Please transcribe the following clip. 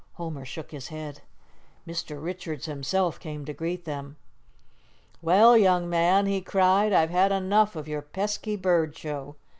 Homer shook his head. Mr. Richards himself came to greet them. "Well, young man," he cried, "I've had enough of your pesky bird show.